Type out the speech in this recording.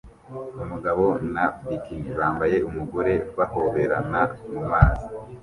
Umugabo na bikini bambaye umugore bahoberana mumazi